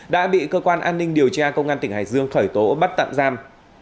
đã bị cơ quan an ninh điều tra công an tỉnh hải dương khởi tố bắt tạm giam